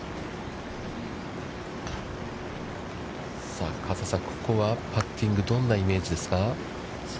さあ、加瀬さん、ここはパッティング、どんなイメージですか。